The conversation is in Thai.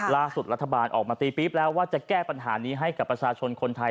รัฐบาลออกมาตีปี๊บแล้วว่าจะแก้ปัญหานี้ให้กับประชาชนคนไทย